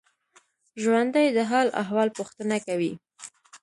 ژوندي د حال احوال پوښتنه کوي